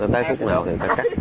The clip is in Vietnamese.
tới phút nào thì ta cắt